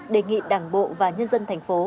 đề nghị đảng bộ và nhân dân thành phố